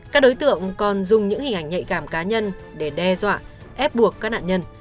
các đối tượng còn dùng những hình ảnh nhạy cảm cá nhân để đe dọa ép buộc các nạn nhân